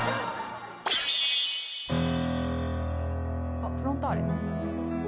「あっフロンターレ」